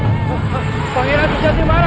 bangeran sejati marah itu bangeran sejati marah